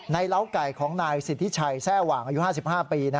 เล้าไก่ของนายสิทธิชัยแทร่หว่างอายุ๕๕ปี